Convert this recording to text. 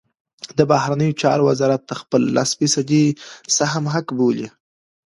د بهرنیو چارو وزارت د خپل لس فیصدۍ سهم حق بولي.